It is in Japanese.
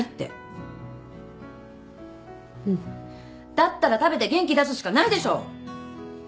だったら食べて元気出すしかないでしょ！